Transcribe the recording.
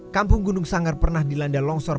kampung gunung sanggar pernah dilanda longsor